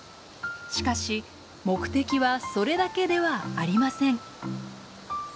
しかし目的はそれだけではありません。